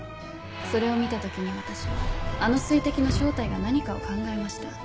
それを見た時に私はあの水滴の正体が何かを考えました。